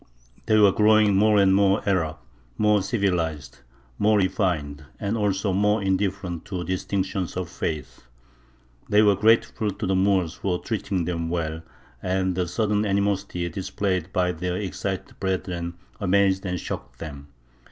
They were growing more and more Arab; more civilized, more refined, and also more indifferent to distinctions of faith. They were grateful to the Moors for treating them well, and the sudden animosity displayed by their excited brethren amazed and shocked them.